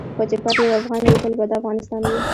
څو چې پاتې یو افغان وې تل به دا افغانستان وې .